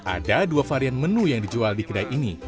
ada dua varian menu yang dijual di kedai ini